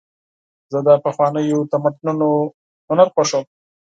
زه د پخوانیو تمدنونو هنر خوښوم.